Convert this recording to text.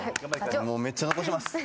もうめっちゃ残します。